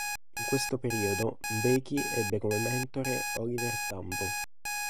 In questo periodo Mbeki ebbe come mentore Oliver Tambo.